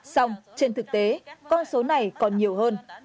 xong trên thực tế con số này còn nhiều hơn